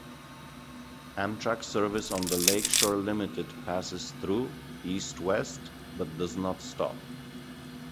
Amtrak service on the "Lake Shore Limited" passes through, east-west, but does not stop.